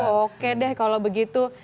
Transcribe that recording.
oke deh kalau begitu